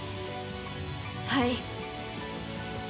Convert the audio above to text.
はい。